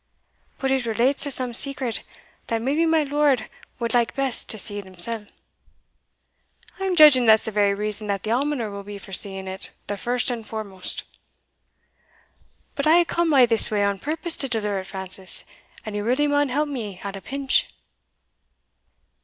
"But it relates to some secret, that maybe my lord wad like best to see't himsell." "I'm jeedging that's the very reason that the almoner will be for seeing it the first and foremost." "But I hae come a' this way on purpose to deliver it, Francis, and ye really maun help me at a pinch."